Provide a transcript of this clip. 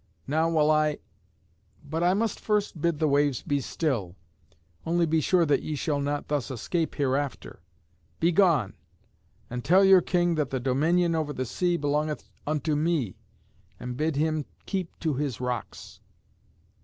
Now will I but I must first bid the waves be still, only be sure that ye shall not thus escape hereafter. Begone, and tell your king that the dominion over the sea belongeth unto me, and bid him keep him to his rocks."